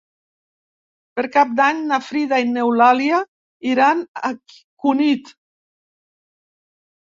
Per Cap d'Any na Frida i n'Eulàlia iran a Cunit.